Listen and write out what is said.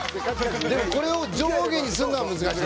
これを上下にすんのが難しい。